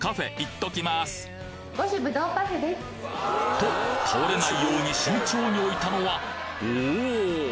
と倒れないように慎重に置いたのはおぉ！